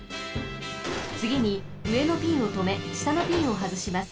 つぎにうえのピンをとめしたのピンをはずします。